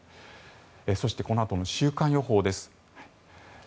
そして、このあとの週間予報です。